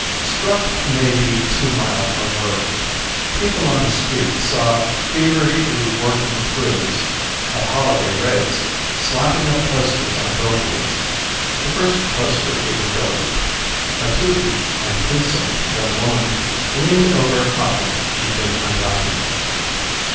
Struck may be too mild a word. People on the streets saw feverishly working crews (at holiday rates!) slapping up posters on billboards. The first poster was a dilly. A toothy and toothsome young woman leaned over a coffin she'd been unwrapping.